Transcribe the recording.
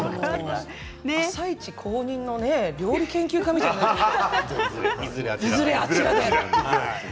「あさイチ」公認の料理研究家みたいになっている。